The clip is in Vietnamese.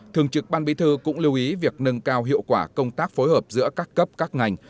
thường trực ban bí thư cũng lưu ý việc nâng cao hiệu quả công tác phối hợp giữa các cấp các ngành